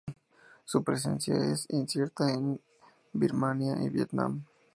Su presencia es incierta en Birmania y Vietnam.